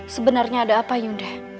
sebenarnya ada apa yunda